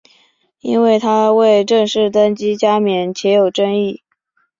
因为他未正式登基加冕且有争议。